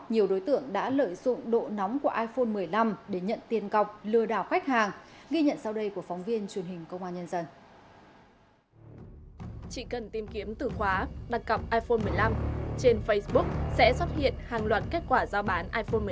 nhiều đối tượng đã lợi dụng độ nóng của iphone một mươi năm để nhận tiền cọc lừa đảo khách hàng ghi nhận sau đây của phóng viên truyền hình công an nhân dân